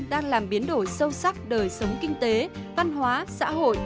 đang làm biến đổi sâu sắc đời sống kinh tế văn hóa xã hội